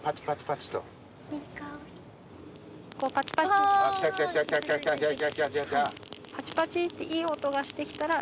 パチパチっていい音がして来たら。